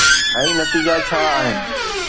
۽ نتيجا ڇا آهن؟